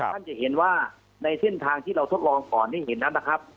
ท่านจะเห็นว่าในเส้นทางที่เราทดลองก่อนให้เห็นนั้นนะครับ